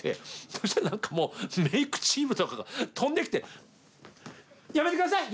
そしたら何かもうメークチームとかが飛んできて「やめてください！